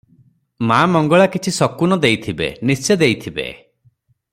ମା ମଙ୍ଗଳା କିଛି ଶକୁନ ଦେଇଥିବେ, ନିଶ୍ଚେ ଦେଇଥିବେ ।